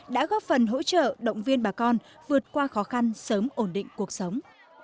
đã góp phần hỗ trợ động viên bà con vượt qua khó khăn sớm ổn định cuộc sống